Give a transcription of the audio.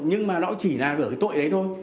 nhưng mà nó chỉ là ở cái tội đấy thôi